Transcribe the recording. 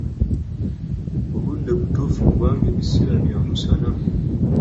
Obudde butuufu kubanga ebiseera bya musana.